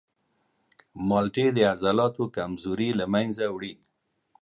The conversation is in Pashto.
مالټې د عضلاتو کمزوري له منځه وړي.